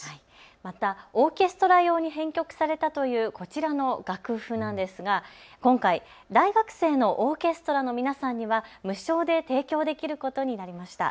またオーケストラ用に編曲されたというこちらの楽譜なんですが今回、大学生のオーケストラの皆さんには無償で提供できることになりました。